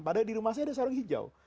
padahal dirumah saya ada sarung hijau